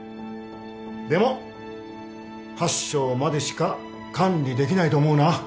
でも８床までしか管理できないと思うな。